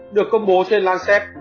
được công bố trên lancet